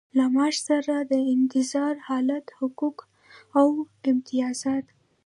له معاش سره د انتظار حالت حقوق او امتیازات.